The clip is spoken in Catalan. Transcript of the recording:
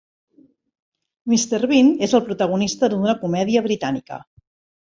Mr. Bean és el protagonista d'una comèdia britànica.